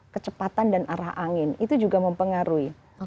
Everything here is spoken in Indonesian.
kecepatan dan arah angin itu juga mempengaruhi